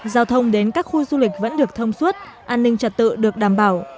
giao thông đến các khu du lịch vẫn được thông suốt an ninh trật tự được đảm bảo